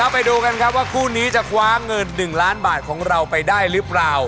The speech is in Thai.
ไปดูกันครับว่าคู่นี้จะคว้าเงิน๑ล้านบาทของเราไปได้หรือเปล่า